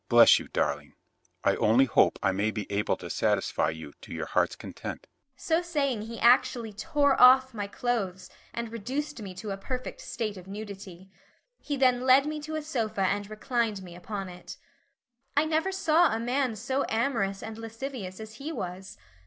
"Bless you, darling, I only hope I may be able to satisfy you to your heart's content." So saying he actually tore off my clothes and reduced me to a perfect state of nudity. He then led me to a sofa and reclined me upon it. I never saw a man so amorous and lascivious as he was.